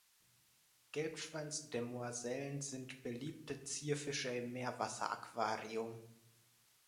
Gelbschwanz-Demoisellen sind beliebte Zierfische im Meerwasseraquarium.